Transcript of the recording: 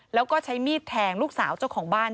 แล้วก็ใช้มีดแทงลูกสาวเจ้าของบ้าน